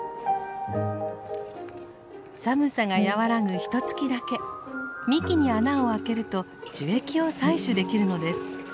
寒さが和らぐひとつきだけ幹に穴を開けると樹液を採取できるのです。